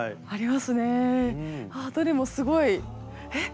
ああどれもすごいえっ？